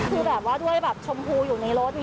คือแบบว่าด้วยแบบชมพูอยู่ในรถ